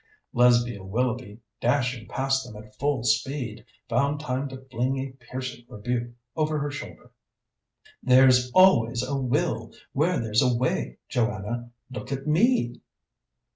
Lesbia Willoughby, dashing past them at full speed, found time to fling a piercing rebuke over her shoulder. "There's always a will where there's a way, Joanna. Look at me!"